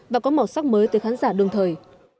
và có màu sắc mới từ khán giả đương thời